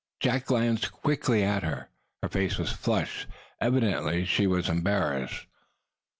Jack glanced quickly at her. Her face was flushed; evidently she was embarrassed.